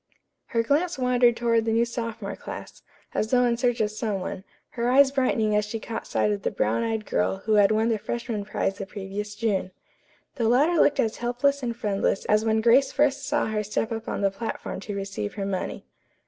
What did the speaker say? Her glance wandered toward the new sophomore class, as though in search of some one, her eyes brightening as she caught sight of the brown eyed girl who had won the freshman prize the previous June. The latter looked as helpless and friendless as when Grace first saw her step up on the platform to receive her money.